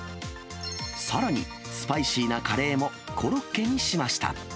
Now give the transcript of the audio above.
さらに、スパイシーなカレーもコロッケにしました。